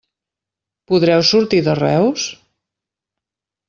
Podreu sortir de Reus?